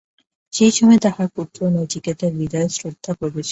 সেই সময় তাঁহার পুত্র নচিকেতার হৃদয়ে শ্রদ্ধা প্রবেশ করিল।